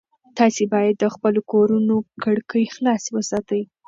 تاسي باید د خپلو کورونو کړکۍ خلاصې وساتئ.